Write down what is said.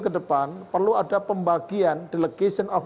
ke depan perlu ada pembagian delegation of